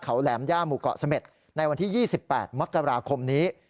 เขาแหลมย่าหมู่เกาะเสม็ดในวันที่๒๘มกราคมนี้